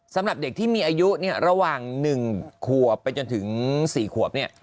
สำหรับเด็กที่มีอายุระหว่าง๑ขวบไปจนถึง๔ขวบเนี่ย